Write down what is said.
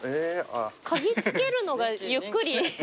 嗅ぎつけるのがゆっくり。